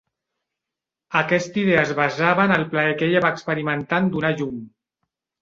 Aquesta idea es basava en el plaer que ella va experimentar en donar a llum.